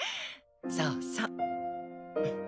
そうそう。